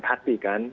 dan saya masih muda